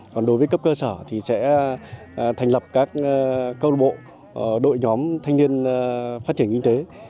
còn đối với cấp cơ sở thì sẽ thành lập các câu lạc bộ đội nhóm thanh niên phát triển kinh tế